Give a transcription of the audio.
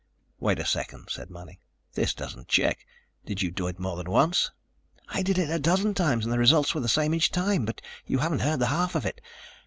_" "Wait a second," said Manning. "This doesn't check. Did you do it more than once?" "I did it a dozen times and the results were the same each time. But you haven't heard the half of it.